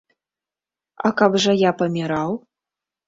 А каб жа я паміраў?